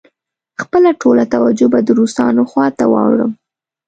خپله ټوله توجه به د روسانو خواته واړوم.